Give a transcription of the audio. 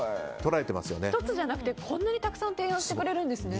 １つじゃなくてこんなにたくさん提案してくれるんですね。